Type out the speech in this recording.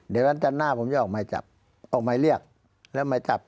เดี๋ยววันจันทร์หน้าผมจะออกหมายจับออกหมายเรียกแล้วหมายจับ